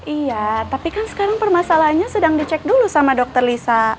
iya tapi kan sekarang permasalahannya sedang dicek dulu sama dokter lisa